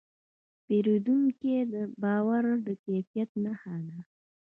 د پیرودونکي باور د کیفیت نښه ده.